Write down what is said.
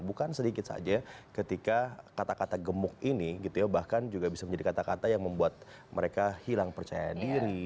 bukan sedikit saja ketika kata kata gemuk ini gitu ya bahkan juga bisa menjadi kata kata yang membuat mereka hilang percaya diri